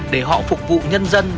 để họ phục vụ nhân dân